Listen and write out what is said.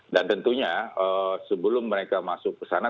dan tentunya sebelum mereka masuk ke sana